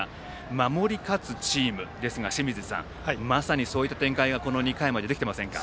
守り勝つチームですがまさにそういった展開が２回までできていませんか。